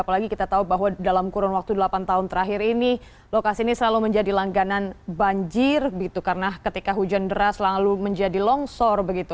apalagi kita tahu bahwa dalam kurun waktu delapan tahun terakhir ini lokasi ini selalu menjadi langganan banjir karena ketika hujan deras selalu menjadi longsor begitu